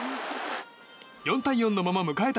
４対４のまま迎えた